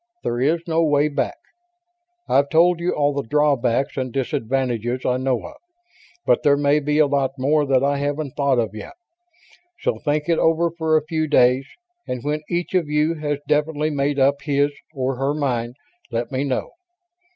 There is no way back. I've told you all the drawbacks and disadvantages I know of, but there may be a lot more that I haven't thought of yet. So think it over for a few days and when each of you has definitely made up his or her mind, let me know."